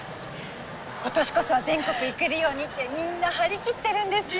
今年こそは全国行けるようにってみんな張り切ってるんですよ。